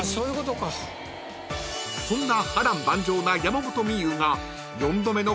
［そんな波瀾万丈な山本美憂が］